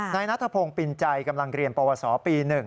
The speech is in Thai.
นายนัทพงศ์ปินใจกำลังเรียนปวสปี๑